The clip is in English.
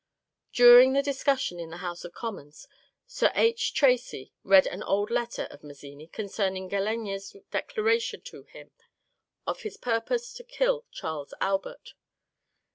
During the discussion in the House of Commons, Sir H. Tracey read an old letter of Mazzini concerning Gallenga's declaration to him of his purpose to kill Charles Albert.